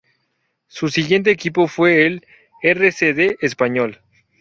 Su siguiente equipo fue el R. C. D. Español.